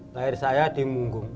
lahir saya di munggung